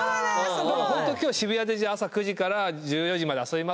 ホント今日渋谷で朝９時から１４時まで遊びます